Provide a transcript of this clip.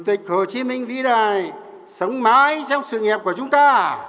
chủ tịch hồ chí minh vĩ đại sống mãi trong sự nghiệp của chúng ta